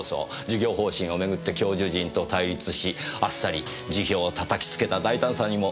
授業方針を巡って教授陣と対立しあっさり辞表を叩きつけた大胆さにも驚かされました。